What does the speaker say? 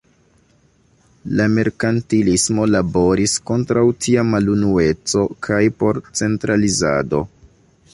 La merkantilismo laboris kontraŭ tia malunueco kaj por centralizado.